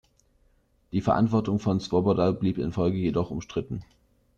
Die Verantwortung von Swoboda blieb in Folge jedoch umstritten.